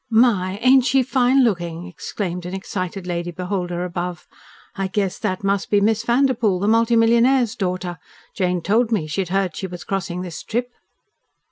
"My, ain't she fine looking!" exclaimed an excited lady beholder above. "I guess that must be Miss Vanderpoel, the multi millionaire's daughter. Jane told me she'd heard she was crossing this trip."